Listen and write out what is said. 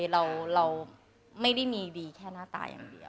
เราไม่ได้มีดีแค่หน้าตาอย่างเดียว